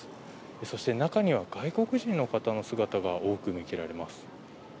そして、中には外国人の方の姿が多く見受けられます。